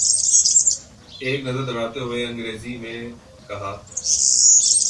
ایک نظر دوڑاتے ہوئے انگریزی میں کہا۔